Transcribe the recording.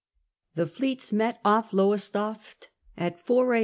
The fleets met off Lowestoft at 4 A.